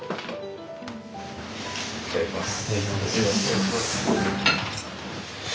いただきます。